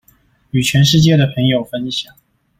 與全世界的朋友分享